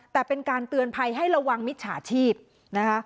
แต่เป็นการเตือนภัยให้ระวังมิจฉาชีพนะคะ